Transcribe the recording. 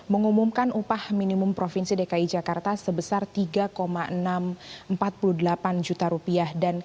mengumumkan upah minimum provinsi dki jakarta sebesar tiga enam ratus empat puluh delapan juta rupiah